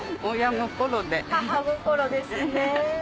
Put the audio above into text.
母心ですね。